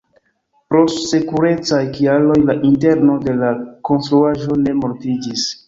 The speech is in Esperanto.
Pro sekurecaj kialoj la interno de la konstruaĵo ne montriĝis.